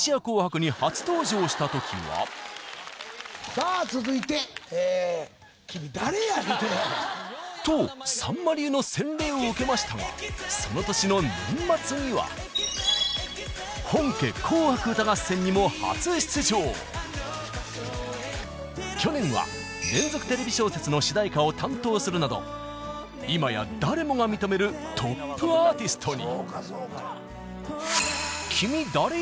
さあ続いて。とさんま流の洗礼を受けましたがその年の年末には本家去年は連続テレビ小説の主題歌を担当するなど今や誰もが認めるトップアーティストに。